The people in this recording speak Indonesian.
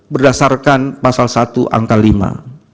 berdasarkan pasal satu angka lima